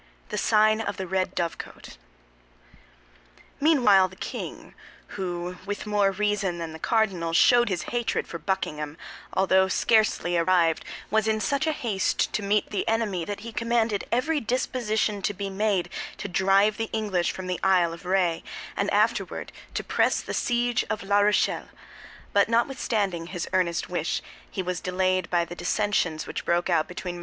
THE SIGN OF THE RED DOVECOT Meanwhile the king, who, with more reason than the cardinal, showed his hatred for Buckingham, although scarcely arrived was in such a haste to meet the enemy that he commanded every disposition to be made to drive the English from the Isle of Ré, and afterward to press the siege of La Rochelle; but notwithstanding his earnest wish, he was delayed by the dissensions which broke out between MM.